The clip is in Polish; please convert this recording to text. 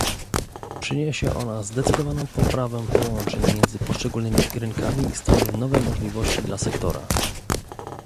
Przyniesie ona zdecydowaną poprawę połączeń między poszczególnymi rynkami i stworzy nowe możliwości dla sektora